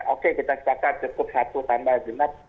oke kita sepakat cukup satu tambah genap